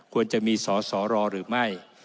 ควรจะมีสอสอรอหรือไม่